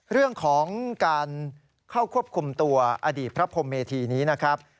เรื่องของการเข้าควบคุมตัวอดีตพระพรมเมธีนี้นะครับ